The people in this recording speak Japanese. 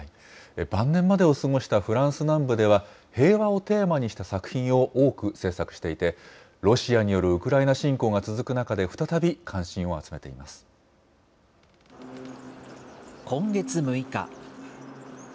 晩年までを過ごしたフランス南部では、平和をテーマにした作品を多く制作していて、ロシアによるウクライナ侵攻が続く中で再今月６日。